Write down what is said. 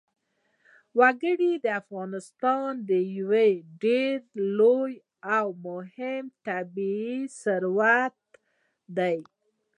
وګړي د افغانستان یو ډېر لوی او مهم طبعي ثروت دی.